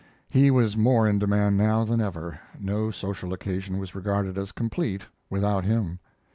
He was more in demand now than ever; no social occasion was regarded as complete without him.